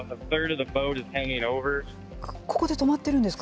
ここで止まってるんですか？